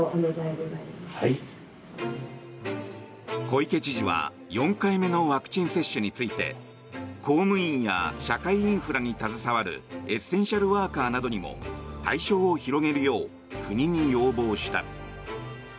小池知事は４回目のワクチン接種について公務員や社会インフラに携わるエッセンシャルワーカーなどにも対象を広げるよう国に要望した。